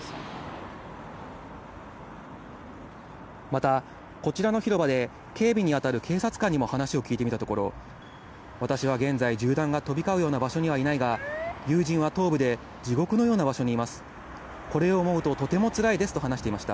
またこちらの広場で、警備に当たる警察官にも話を聞いてみたところ、私は現在、銃弾が飛び交うような場所にはいないが、友人は東部で地獄のような場所にいます。